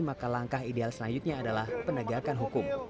maka langkah ideal selanjutnya adalah penegakan hukum